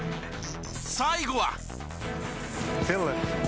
最後は。